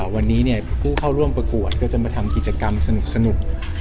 วันนี้ผู้เข้าร่วมประกวดก็จะมาทำกิจกรรมสนุก